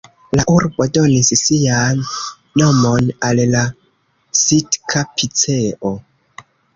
La urbo donis sian nomon al la Sitka-piceo.